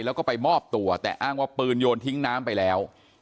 แล้วก็ไปมอบตัวแต่อ้างว่าปืนโยนทิ้งน้ำไปแล้ว